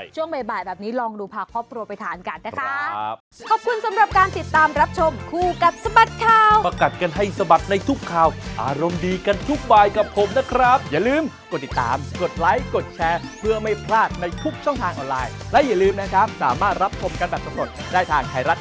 ช่วงบ่ายแบบนี้ลองดูพาครอบครัวไปทานกันนะคะ